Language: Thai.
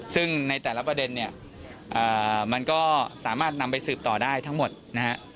ซึ่งในแต่ละประเด็นเนี่ยมันก็สามารถนำไปสืบต่อได้ทั้งหมดนะฮะ